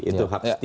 itu hak setiap